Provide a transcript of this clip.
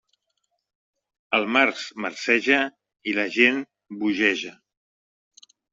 El març marceja i la gent bogeja.